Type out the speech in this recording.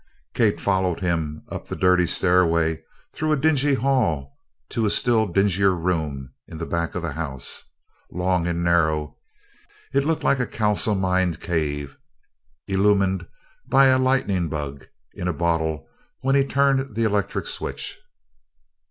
Kate followed him up the dirty stairway through a dingy hall to a still dingier room in the back of the house. Long and narrow, it looked like a kalsomined cave illumined by a lightning bug in a bottle when he turned the electric switch.